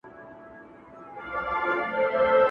سور سالو يې د لمبو رنګ دی اخيستى.!